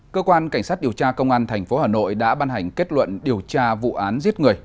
cơ quan cảnh sát điều tra công an tp hà nội đã ban hành kết luận điều tra vụ án giết người